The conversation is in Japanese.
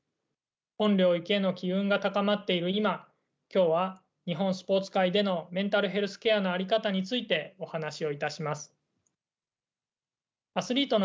本領域への機運が高まっている今今日は日本スポーツ界でのメンタルヘルスケアの在り方についてお話をいたします。